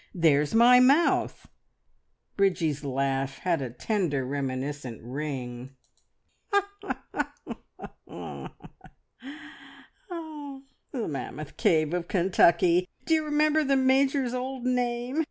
There's my mouth " Bridgie's laugh had a tender, reminiscent ring. "The Mammoth Cave of Kentucky! D'you remember the Major's old name?